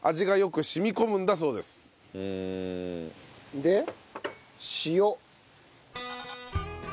で塩。